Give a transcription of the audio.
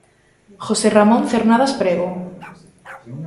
José Ramón Cernadas Prego.